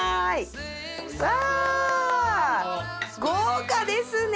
わぁ豪華ですね！